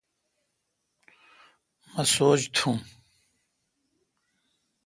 مہ سوچ تھم۔